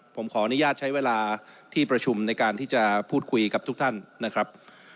ผมขออนุญาตใช้เวลาที่ประชุมในการที่จะพูดคุยกับทุกท่านนะครับ